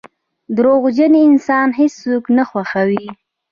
• دروغجن انسان هیڅوک نه خوښوي.